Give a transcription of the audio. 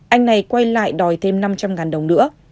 anh này quay lại đòi thêm năm trăm linh đồng nữa